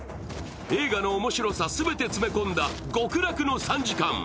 映画のおもしろさ全て詰め込んだ極楽の３時間。